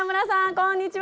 こんにちは！